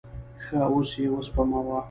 ښه، اوس یی وسپموه